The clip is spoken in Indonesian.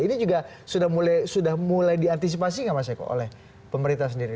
ini juga sudah mulai diantisipasi nggak mas eko oleh pemerintah sendiri